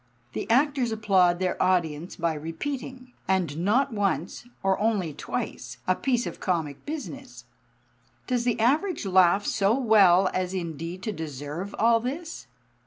The actors applaud their audience by repeating and not once or only twice a piece of comic business. Does the Average laugh so well as indeed to deserve all this?